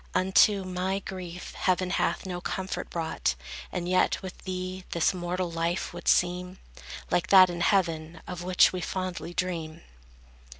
Unto my grief heaven hath no comfort brought; And yet with thee, this mortal life would seem Like that in heaven, of which we fondly dream.